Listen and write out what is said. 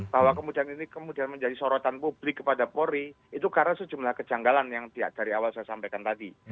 bahwa kemudian ini kemudian menjadi sorotan publik kepada polri itu karena sejumlah kejanggalan yang dari awal saya sampaikan tadi